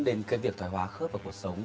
đến cái việc thoải hóa khớp vào cuộc sống